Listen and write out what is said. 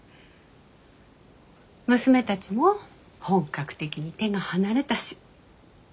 娘たちも本格的に手が離れたし。